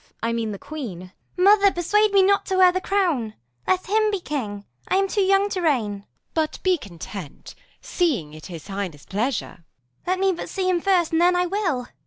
I mean the queen. P. Edw. Mother, persuade me not to wear the crown: Let him be king; I am too young to reign. Q. Isab. But be content, seeing 'tis his highness' pleasure. P. Edw. Let me but see him first, and then I will.